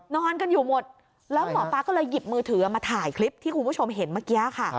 นอนกันอยู่หมดแล้วหมอปลาก็เลยหยิบมือถือมาถ่ายคลิปที่คุณผู้ชมเห็นเมื่อกี้ค่ะ